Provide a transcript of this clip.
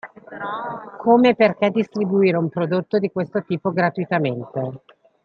Come e perché distribuire un prodotto di questo tipo gratuitamente?